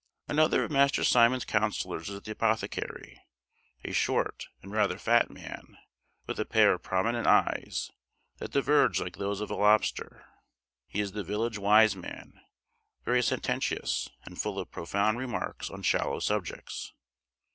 Another of Master Simon's councillors is the apothecary, a short, and rather fat man, with a pair of prominent eyes, that diverge like those of a lobster. He is the village wise man; very sententious; and full of profound remarks on shallow subjects.